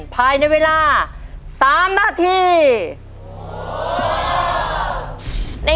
ภายในเวลา๓นาที